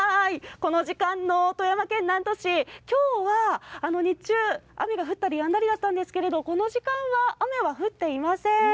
この時間の富山県南砺市、きょうは日中、雨が降ったりやんだりだったんですけど、この時間は雨は降っていません。